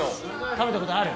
食べたことある？